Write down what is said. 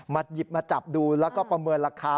หยิบมาจับดูแล้วก็ประเมินราคา